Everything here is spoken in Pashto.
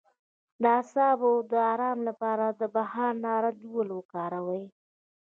د اعصابو د ارام لپاره د بهار نارنج ګل وکاروئ